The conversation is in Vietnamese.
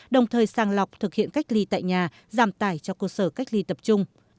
đồng thời sang lọc thực hiện cách ly tại nhà giảm tải cho cơ sở cách ly tập trung